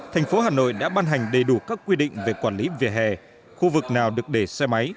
thành phố hà nội đã ban hành đầy đủ các quy định về quản lý vỉa hè khu vực nào được để xe máy